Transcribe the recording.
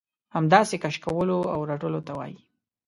همداسې کش کولو او رټلو ته وايي.